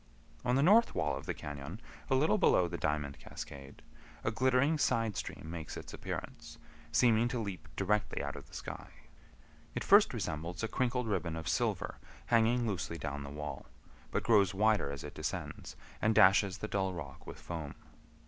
On the north wall of the cañon, a little below the Diamond Cascade, a glittering side stream makes its appearance, seeming to leap directly out of the sky. It first resembles a crinkled ribbon of silver hanging loosely down the wall, but grows wider as it descends, and dashes the dull rock with foam.